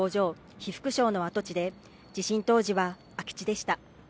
被服廠の跡地で地震当時は空き地でした